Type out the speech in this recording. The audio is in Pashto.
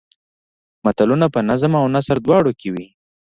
متلونه په نظم او نثر دواړو کې وي